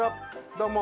どうも。